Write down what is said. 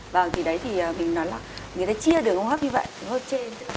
vâng thì đấy thì mình nói là người ta chia đường hô hấp như vậy đường hô hấp trên